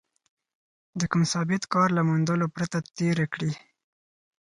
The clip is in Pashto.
د کوم ثابت کار له موندلو پرته تېره کړې.